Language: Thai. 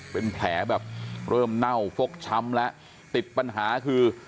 เป็นแผลแบบเริ่มเน่าฟกช้ำแล้วติดปัญหาคือ